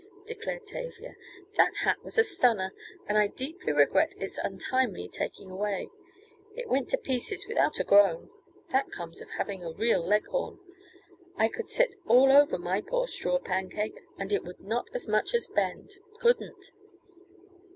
declared Tavia. "That hat was a stunner, and I deeply regret it's untimely taking away it went to pieces without a groan. That comes of having a real Leghorn. I could sit all over my poor straw pancake and it would not as much as bend couldn't.